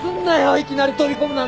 いきなり飛び込むなんて。